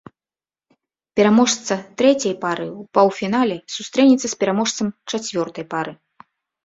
Пераможца трэцяй пары ў паўфінале сустрэнецца з пераможцам чацвёртай пары.